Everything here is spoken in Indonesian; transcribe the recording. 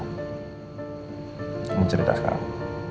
kamu cerita sekarang